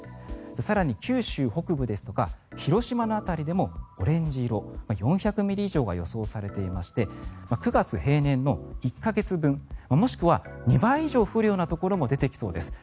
更に九州北部ですとか広島の辺りでもオレンジ色４００ミリ以上が予想されていまして９月平年の１か月分もしくは２倍以上降るようなところも出てきそうです。